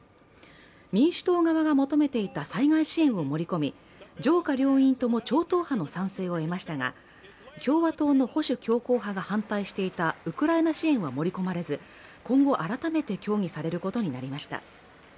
民主党側が求めていた災害支援を盛り込み、上下両院とも超党派の賛成を得ましたが共和党の保守強硬派が反対していたウクライナ支援は盛り込まれず、今後改めて協議されることになりました。